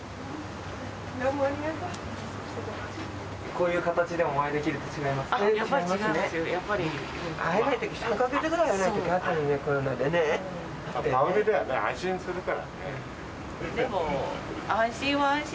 こういう形でもお会いできると違いますか？